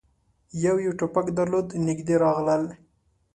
يوه يې ټوپک درلود. نږدې راغلل،